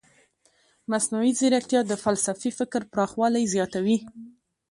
مصنوعي ځیرکتیا د فلسفي فکر پراخوالی زیاتوي.